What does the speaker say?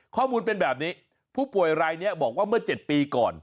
ข้อมูลเป็นแบบนี้ผู้ป่วยรายนี้บอกว่าเมื่อ๗ปีก่อน